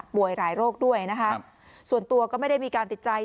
หลายโรคด้วยนะคะส่วนตัวก็ไม่ได้มีการติดใจ